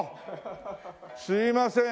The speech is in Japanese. すみません